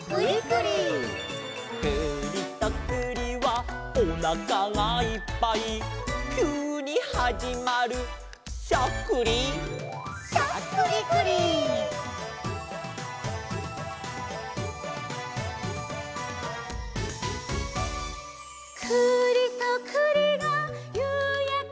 「くりとくりはおなかがいっぱい」「きゅうにはじまるしゃっくり」「」「くりとくりがゆうやけみながら」